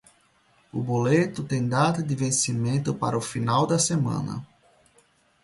O boleto tem data de vencimento para o final da semana